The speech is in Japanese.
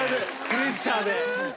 プレッシャーで。